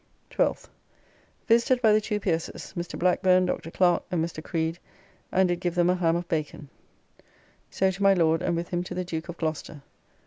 12th. Visited by the two Pierces, Mr. Blackburne, Dr. Clerk and Mr. Creed, and did give them a ham of bacon. So to my Lord and with him to the Duke of Gloucester.